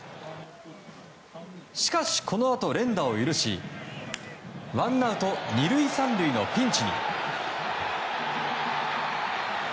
しかし、このあと連打を許しワンアウト２塁３塁のピンチに。